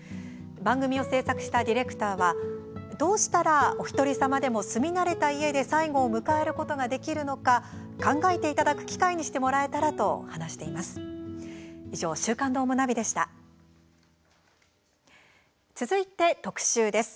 番組を制作したディレクターはどうしたら、おひとりさまでも住み慣れた家で最期を迎えることができるのか考えていただく機会にしてもらえたらとと話しています。